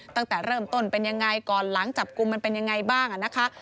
ตั้งแต่เริ่มต้นเป็นยังไงก่อนหลังจับกลุ่มมันเป็นยังไงบ้างนะคะ